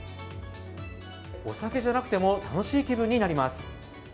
お酒じゃなくても楽しい気分になります。